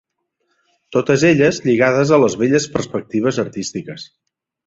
Totes elles lligades a les velles perspectives artístiques.